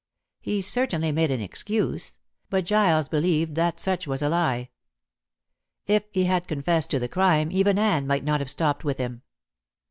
He certainly made an excuse, but Giles believed that such was a lie. If he had confessed to the crime, even Anne might not have stopped with him.